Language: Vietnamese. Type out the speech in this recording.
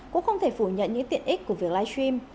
cũng không thể phủ nhận những tiện ích của việc live stream